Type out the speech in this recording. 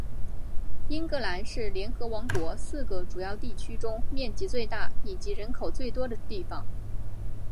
英格兰是联合王国四个主要地区中面积最大以及人口最多的地方。